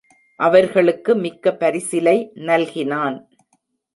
அவர்களுக்கு மிக்க பரிசிலை நல்கினான்.